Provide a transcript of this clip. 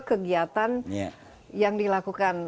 kegiatan yang dilakukan